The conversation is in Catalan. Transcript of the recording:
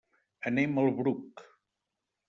Anem al Bruc.